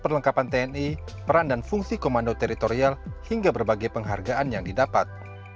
perlengkapan tni peran dan fungsi komando teritorial hingga berbagai penghargaan yang didapat